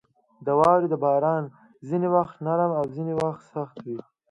• د واورې باران ځینې وخت نرم او ځینې سخت وي.